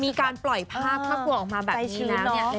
เริ่มมีการปล่อยภาพภาพเขาออกมาแบบนี้นะ